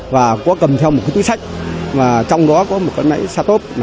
và có cầm theo một cái túi sách mà trong đó có một cái máy xa tốp